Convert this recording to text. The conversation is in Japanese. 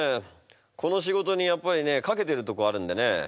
この仕事にやっぱりね懸けてるとこあるんでね。